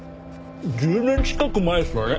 １０年近く前ですかね。